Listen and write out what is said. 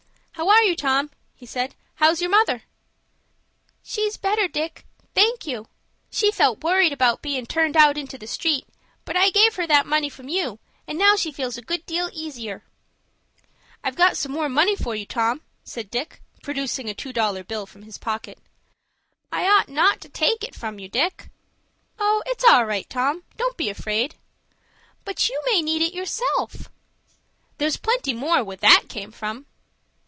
"How are you, Tom?" he said. "How's your mother?" "She's better, Dick, thank you. She felt worried about bein' turned out into the street; but I gave her that money from you, and now she feels a good deal easier." "I've got some more for you, Tom," said Dick, producing a two dollar bill from his pocket. "I ought not to take it from you, Dick." "Oh, it's all right, Tom. Don't be afraid." "But you may need it yourself." "There's plenty more where that came from."